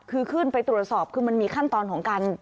คือขึ้นไปตรวจสอบคือมันมีขั้นตอนของการ